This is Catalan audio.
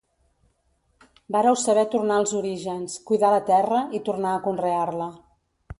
Vàreu saber tornar als orígens, cuidar la terra i tornar a conrear-la.